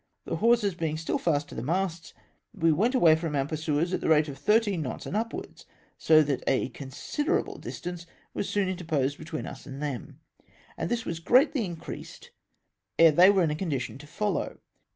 The hawsers being still fast to the masts, we went away from our pursuers at the rate of thirteen knots and upwards ; so that a considerable distance was soon interposed between us and them ; and this was greatly increased ere they were in a con dition to follow.